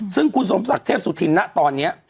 ซึ่งคุณสมศักริณูชาติเทพอุทินแน่ตอนนี้